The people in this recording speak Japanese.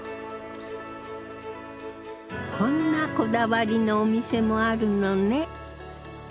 こんなこだわりのお店もあるのね。